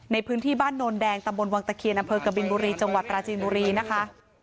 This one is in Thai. ในพื้นที่บ้านโนนแดงตำบลวังตะเคียนอำเภอกบินบุรีจังหวัดปราจีนบุรีนะคะ